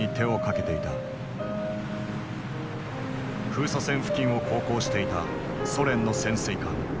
封鎖線付近を航行していたソ連の潜水艦。